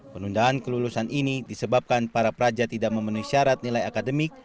penundaan kelulusan ini disebabkan para praja tidak memenuhi syarat nilai akademik